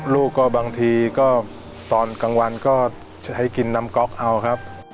ลูกก็บางทีก็ตอนกลางวันก็จะให้กินน้ำก๊อกเอาครับ